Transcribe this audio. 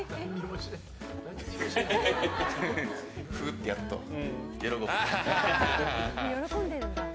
ふっとやると喜ぶ。